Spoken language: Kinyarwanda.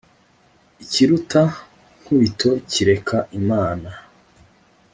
ikiruta nkubito kereka imana